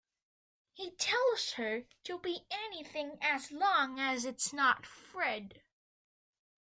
He tells her to be anything as long as it's not Fred.